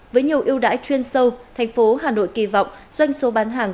với nhiều yêu đãi chuyên sâu tp hà nội kỳ vọng doanh số bán hàng